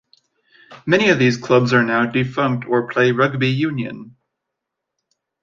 Many of these clubs are now defunct or play rugby union.